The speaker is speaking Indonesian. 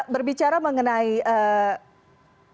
berbicara mengenai mudik lokal